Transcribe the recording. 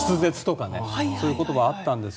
そういう言葉があったんですが。